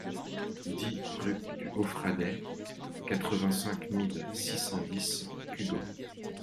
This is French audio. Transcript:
dix rue du Haut Fradet, quatre-vingt-cinq mille six cent dix Cugand